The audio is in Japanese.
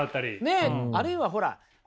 あるいはほら